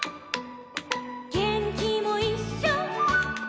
「げんきもいっしょ」